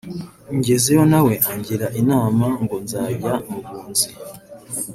ngezeyo na we angira inama ngo nzajye mu bunzi